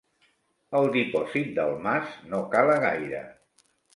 El dipòsit del mas no cala gaire.